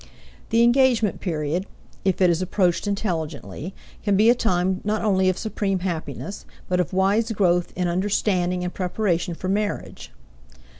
The engagement period if it is approached intelligently can be a time not only of supreme happiness, but of wise growth in understanding and preparation for marriage.